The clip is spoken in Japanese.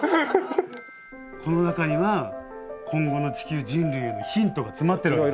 この中には今後の地球人類へのヒントが詰まっているわけですから。